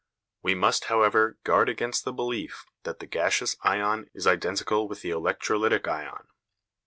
We must, however, guard against the belief that the gaseous ion is identical with the electrolytic ion.